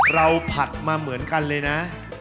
ผัดมาเหมือนกันเลยนะ